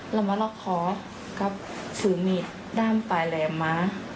เรามาล็อกคอกับถือมีดด้ามปลายแหลมมา